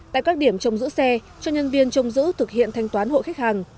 tại các điểm trong giữ xe cho nhân viên trông giữ thực hiện thanh toán hộ khách hàng